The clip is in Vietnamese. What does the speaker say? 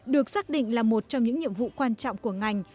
được xác định là một trong những nhiệm vụ quan trọng của ngành